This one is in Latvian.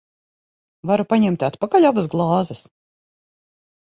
Varu paņemt atpakaļ abas glāzes?